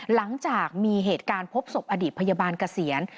หลังจากมีเหตุการณ์พบศพอดีตพยาบาลเกษียณ